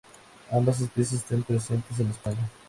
Ambas especies están presentes en España.